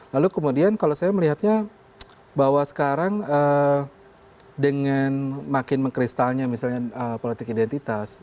lalu kemudian kalau saya melihatnya bahwa sekarang dengan makin mengkristalnya misalnya politik identitas